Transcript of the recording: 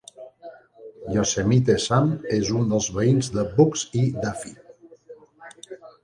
Yosemite Sam es un dels veïns de Bugs i Daffy.